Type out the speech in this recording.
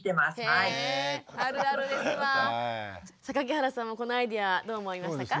榊原さんもこのアイデアどう思いましたか？